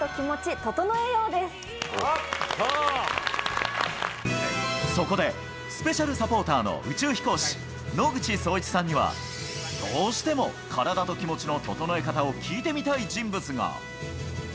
秋だから、そこで、スペシャルサポーターの宇宙飛行士、野口聡一さんには、どうしても体と気持ちの整え方を聞いてみたい人物が。